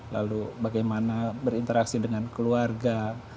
lalu bagaimana berinteraksi dengan keluarga